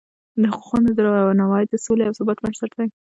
د حقونو درناوی د سولې او ثبات بنسټ دی.